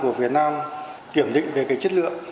của việt nam kiểm định về cái chất lượng